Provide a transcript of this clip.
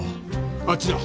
あっちだ。